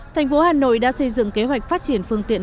thành phố hà nội đã xây dựng kế hoạch phát triển phương tiện